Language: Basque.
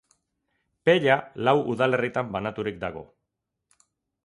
Pella lau udalerritan banaturik dago.